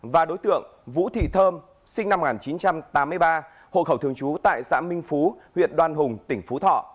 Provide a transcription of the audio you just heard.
và đối tượng vũ thị thơm sinh năm một nghìn chín trăm tám mươi ba hộ khẩu thường trú tại xã minh phú huyện đoan hùng tỉnh phú thọ